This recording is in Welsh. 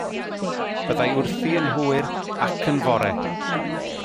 Byddai wrthi yn hwyr ac yn fore.